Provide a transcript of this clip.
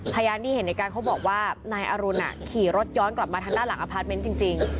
พยานที่เห็นในการเขาบอกว่านายอรุณขี่รถย้อนกลับมาทางด้านหลังอพาร์ทเมนต์จริง